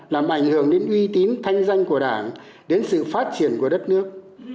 làm ảnh hưởng đến uy tín thanh danh của đảng đến sự phát triển của đất nước